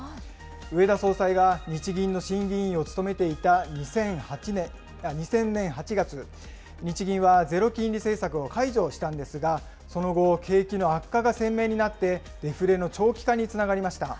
植田総裁が日銀の審議委員を務めていた２０００年８月、日銀はゼロ金利政策を解除したんですが、その後、景気の悪化が鮮明になって、デフレの長期化につながりました。